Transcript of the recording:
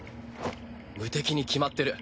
無敵に決まってる。